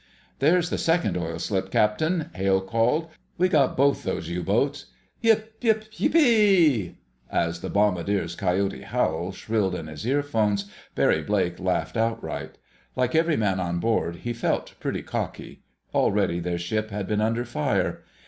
"There's the second oil slick, Captain!" Hale called. "We got both those U boats. Yip yip yippee!" As the bombardier's coyote howl shrilled in his earphones, Barry Blake laughed outright. Like every man on board he felt pretty cocky. Already their ship had been under fire.